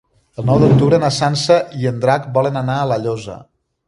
El nou d'octubre na Sança i en Drac volen anar a La Llosa.